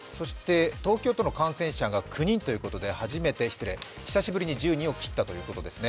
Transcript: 東京都の感染者が９人ということで久しぶりに１０人を切ったということですね。